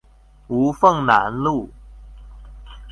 吳鳳南路